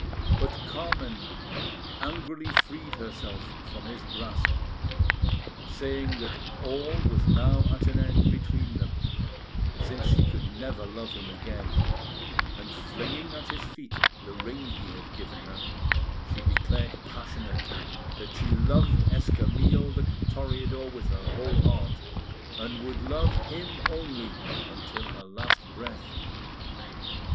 But Carmen angrily freed herself from his grasp, saying that all was now at an end between them, since she could never love him again; and flinging at his feet the ring he had given her, she declared passionately that she loved Escamillo the Toreador with her whole heart, and would love him only until her last breath.